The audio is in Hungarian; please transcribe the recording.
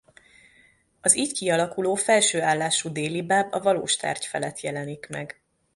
Az így kialakuló felső állású délibáb a valós tárgy felett jelenik meg.